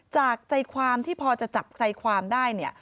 จากใจความที่พอจะจับใจความได้เนี่ย